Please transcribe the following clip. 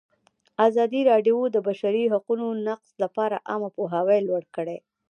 ازادي راډیو د د بشري حقونو نقض لپاره عامه پوهاوي لوړ کړی.